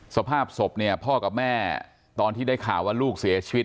สภาพศพเนี่ยพ่อกับแม่ตอนที่ได้ข่าวว่าลูกเสียชีวิต